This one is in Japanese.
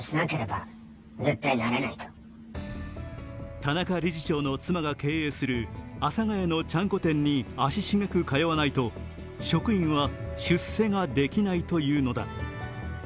田中理事長の妻が経営する阿佐ヶ谷のちゃんこ店に足繁く通わないと職員は出世ができないというのだ。